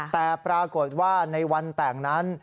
แต่ปรากฏว่าในวันแต่งนั้น